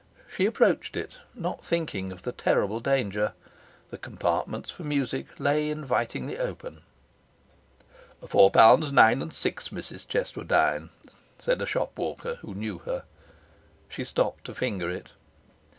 She approached it, not thinking of the terrible danger. The compartments for music lay invitingly open. 'Four pounds, nine and six, Mrs Cheswardine,' said a shop walker, who knew her. She stopped to finger it.